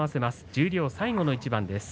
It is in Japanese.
十両、最後の一番です。